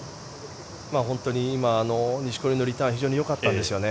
本当に今の錦織のリターン非常によかったんですよね。